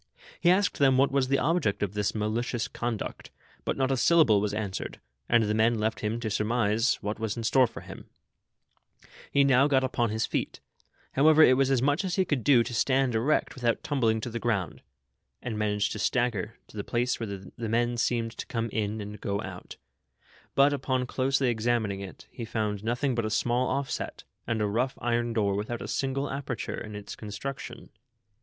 He asked them what was the object of this malicious con duct, but not a syllable was answered, and the men left him to surmise v>iiat vv^as in store for him. 90 THE SOCIAL WAR OF 1900; OR, He now got upon his feet ; however, it was as much as lie could do to stand erect without tumbling to the ground, and managed to stagger to the place wliere the men seemed to come in and go out ; but, upon closely examining it, he found notliing but a small ott'set, and a rough iron door witiiout a single aperture in its construction.